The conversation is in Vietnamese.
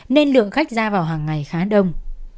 nên lượng khách ra vào hàng ngày khá đông